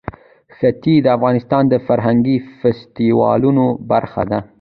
ښتې د افغانستان د فرهنګي فستیوالونو برخه ده.